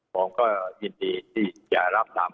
ผมก็ยินดีที่จะรับตาม